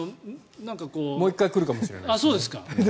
もう１回来るかもしれない。